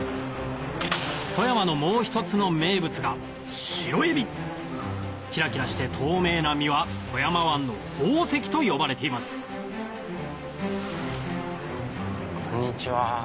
富山のもう一つの名物が白えびキラキラして透明な身は富山湾の宝石と呼ばれていますこんにちは。